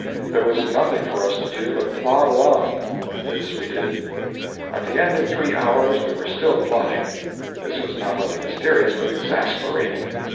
There was nothing for us to do but plod along and this we did. At the end of three hours we were still plodding. This was not only mysterious, but exasperating.